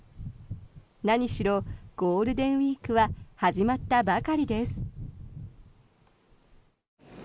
何しろゴールデンウィークは始まったばかりです。